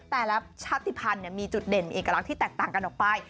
แต่ละชาติภัณฑ์มีจุดเด่นมีเอกลักษณ์ที่แตกต่างกันออกไป